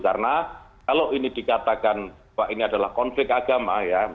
karena kalau ini dikatakan bahwa ini adalah konflik agama ya